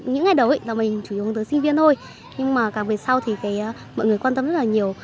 những ngày đầu là mình chủ yếu hướng tới sinh viên thôi nhưng mà càng về sau thì mọi người quan tâm rất là nhiều